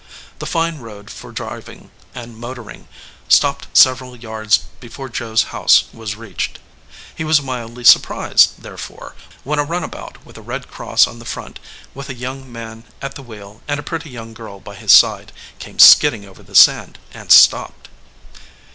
The fine road for driving and motoring stopped several yards before Joe s house was reached. He was mildly surprised, therefore, when a runabout with a red cross on the front, with a young man at the wheel and a pretty young girl by his side, came skidding over the sand and stopped.